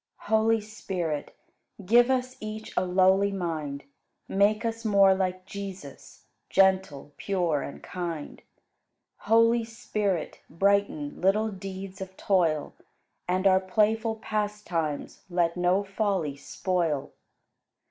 107. Holy Spirit, give us Each a lowly mind; Make us more like Jesus, Gentle, pure, and kind. Holy Spirit, brighten Little deeds of toil, And our playful pastimes Let no folly spoil.